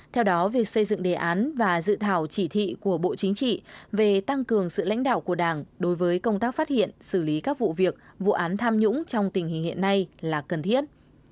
theo đó việc xây dựng đề án và dự thảo chỉ thị của bộ chính trị về tăng cường sự lãnh đạo của đảng đối với công tác phát hiện xử lý các vụ việc vụ án tham nhũng trong tình hình hiện nay là cần thiết